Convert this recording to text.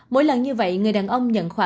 mỗi lần như vậy người đàn ông đã tiêm liền ba mũi